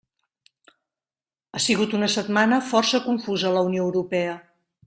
Ha sigut una setmana força confusa a la Unió Europea.